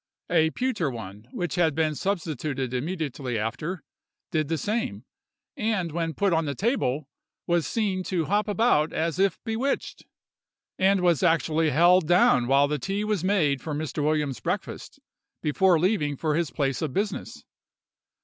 A pewter one, which had been substituted immediately after, did the same, and, when put on the table, was seen to hop about as if bewitched, and was actually held down while the tea was made for Mr. Williams's breakfast, before leaving for his place of business.